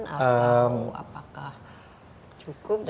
atau apakah cukup dan banyak